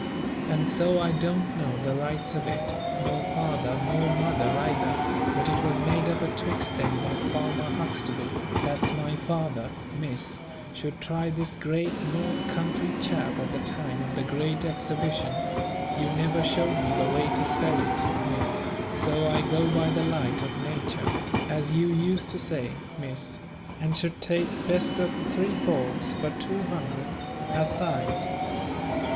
And so I don't know the rights of it, nor father nor mother either, but it was made up atwixt them that Farmer Huxtable, that's my father, Miss, should try this great North country chap at the time of the great Xabition you never showed me the way to spell it, Miss, so I go by the light of nature, as you used to say, Miss and should take best of three falls for 200*l.* a side.